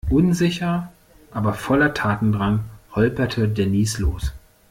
Unsicher, aber voller Tatendrang holperte Denise los.